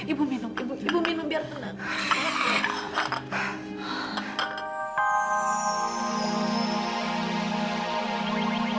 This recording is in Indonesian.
ibu minum ibu minum biar senang